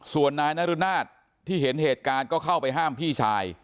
ส่วนนายนรุนาศที่เห็นเหตุการณ์ก็เข้าไปห้ามพี่ชาย